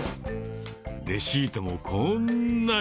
レシートもこーんなに。